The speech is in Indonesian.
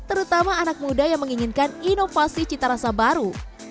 terutama anak muda yang menginginkan inovasi cita rasa baru